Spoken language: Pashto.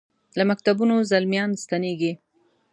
له مکتبونو زلمیا ن ستنیږي